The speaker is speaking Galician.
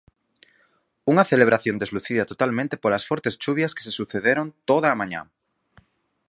Unha celebración deslucida totalmente polas fortes chuvias que se sucederon toda a mañá.